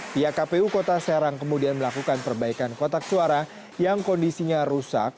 pihak kpu kota serang kemudian melakukan perbaikan kotak suara yang kondisinya rusak